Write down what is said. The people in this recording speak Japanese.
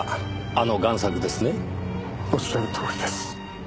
おっしゃるとおりです。